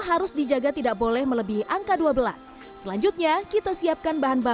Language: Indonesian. harus dijaga tidak boleh melebihi angka dua belas selanjutnya kita siapkan bahan